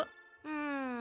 うん。